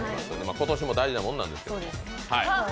今年も大事なものなんですけど。